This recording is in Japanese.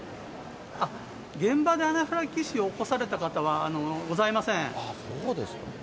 現場でアナフィラキシーを起こされた方はございません。